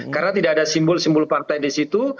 karena tidak ada simbol simbol partai di situ